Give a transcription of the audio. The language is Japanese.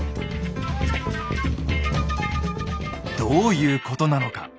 どういうことなのか。